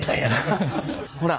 ほら。